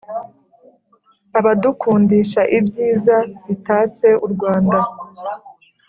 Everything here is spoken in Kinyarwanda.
Adukundishaibyiza bitatse urwanda